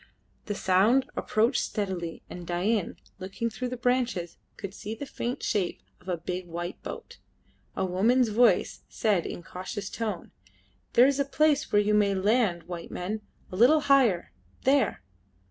The sound approached steadily, and Dain, looking through the branches, could see the faint shape of a big white boat. A woman's voice said in a cautious tone "There is the place where you may land white men; a little higher there!"